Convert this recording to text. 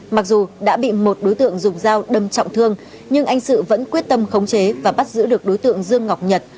mặc dù đã bị một đối tượng dùng dao đâm trọng thương nhưng anh sự vẫn quyết tâm khống chế và bắt giữ được đối tượng dương ngọc nhật